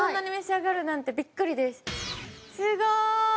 すごい！